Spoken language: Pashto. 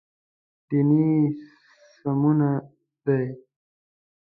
دیني سمونه دی.